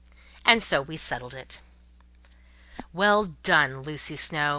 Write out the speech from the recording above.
And so we settled it. "Well done, Lucy Snowe!"